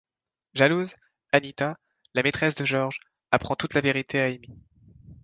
Jalouse, Anita, la maîtresse de George, apprend toute la vérité à Emmy.